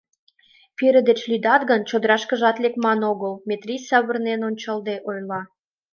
— Пире деч лӱдат гын, чодырашкыжат лекман огыл, — Метрий савырнен ончалде ойла.